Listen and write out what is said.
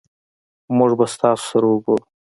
مونږ به ستاسو سره اوګورو